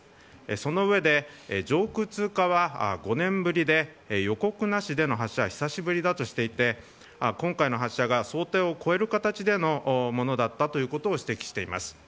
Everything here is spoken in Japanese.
その上で上空通過は５年ぶりで予告なしでの発射は久しぶりだとしていて今回の発射が想定を超える形でのものだったということを指摘しています。